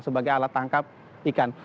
sebagai alat tangkap ikan